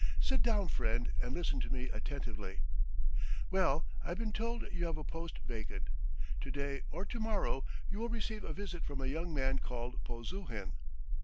"Sit down, friend, and listen to me attentively. ... Well, I've been told you have a post vacant. ... To day or to morrow you will receive a visit from a young man called Polzuhin.